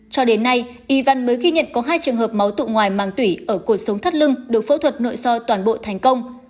cho đến nay y văn mới ghi nhận có hai trường hợp máu tụ ngoài màng tủy ở cuộc sống thắt lưng được phẫu thuật nội soi toàn bộ thành công